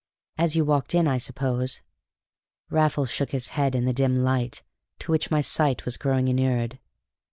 "As you walked in, I suppose?" Raffles shook his head in the dim light to which my sight was growing inured.